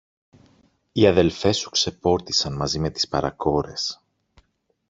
Οι αδελφές σου ξεπόρτισαν μαζί με τις παρακόρες.